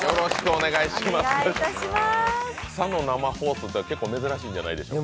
朝の生放送って結構珍しいんじゃないですか？